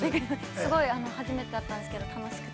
すごい初めてだったんですけど、楽しくて。